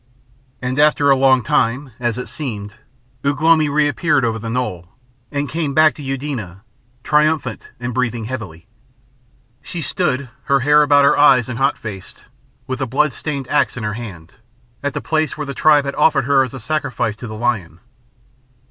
And after a long time, as it seemed, Ugh lomi reappeared over the knoll, and came back to Eudena, triumphant and breathing heavily. She stood, her hair about her eyes and hot faced, with the blood stained axe in her hand, at the place where the tribe had offered her as a sacrifice to the lion.